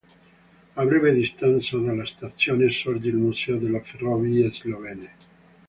A breve distanza dalla stazione sorge il museo delle ferrovie slovene.